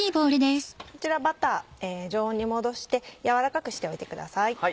こちらバター常温に戻して軟らかくしておいてください。